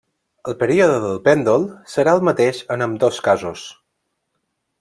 El període del pèndol serà el mateix en ambdós casos.